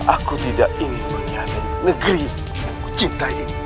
aku tidak ingin menyadari negeri yang ku cintai